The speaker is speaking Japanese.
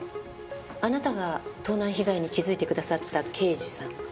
あなたが盗難被害に気づいてくださった刑事さん？